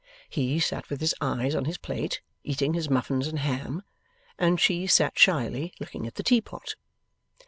He sat with his eyes on his plate, eating his muffins and ham, and she sat shyly looking at the teapot.